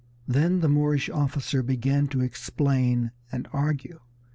Then the Moorish officer began to explain and argue.